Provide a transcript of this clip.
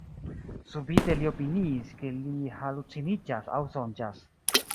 Subite li opiniis, ke li haluciniĝas aŭ sonĝas.